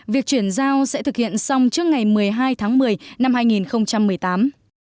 việc chuyển giao sẽ thực hiện xong trước ngày một mươi hai tháng một mươi năm hai nghìn một mươi tám